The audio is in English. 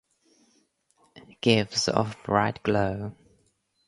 Gives of bright glow.